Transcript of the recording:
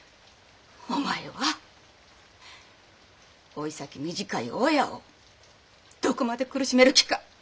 お前は老い先短い親をどこまで苦しめる気か！